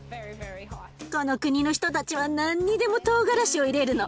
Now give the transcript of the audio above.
この国の人たちは何にでもトウガラシを入れるの。